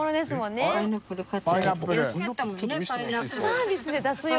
神田）サービスで出す用？